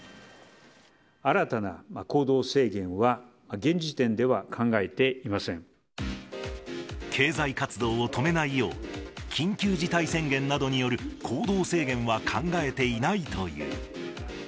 新たな行動制限は、現時点で経済活動を止めないよう、緊急事態宣言などによる行動制限は考えていないという。